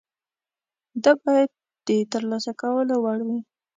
دا باید د ترلاسه کولو وړ وي.